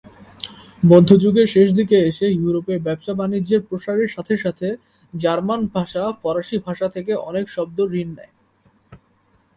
মধ্যযুগের শেষ দিকে এসে ইউরোপে ব্যবসা বাণিজ্যের প্রসারের সাথে সাথে জার্মান ভাষা ফরাসি ভাষা থেকে অনেক শব্দ ঋণ নেয়।